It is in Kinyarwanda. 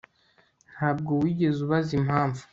Ntabwo wigeze ubaza impamvu